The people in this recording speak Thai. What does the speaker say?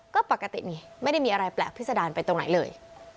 ก็ปกตินี่ไม่ได้มีอะไรแปลกพิษดารไปตรงไหนเลย